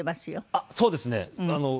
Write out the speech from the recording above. あっそうですね。